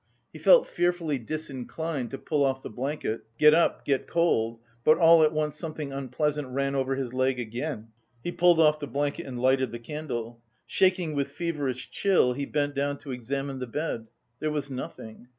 He felt fearfully disinclined to pull off the blanket, get up, get cold, but all at once something unpleasant ran over his leg again. He pulled off the blanket and lighted the candle. Shaking with feverish chill he bent down to examine the bed: there was nothing.